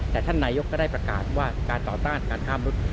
แต่ท่านนายกก็ได้ประกาศว่าการต่อต้านการข้ามรุ่น